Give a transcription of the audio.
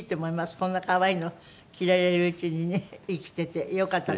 こんな可愛いのを着られるうちにね生きててよかったと。